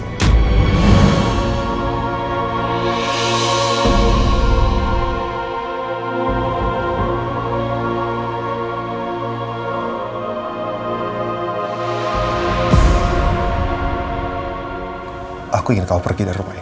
aku ingin kamu pergi dari rumah ini